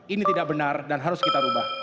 ini tidak benar dan harus kita ubah